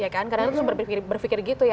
karena itu berpikir pikir gitu ya